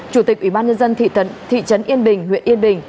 chủ tịch ủy ban nhân dân thị trấn yên bình huyện yên bình